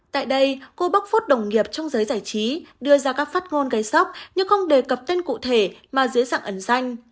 tại đây cô bắc food đồng nghiệp trong giới giải trí đưa ra các phát ngôn gây sốc nhưng không đề cập tên cụ thể mà dưới dạng ẩn danh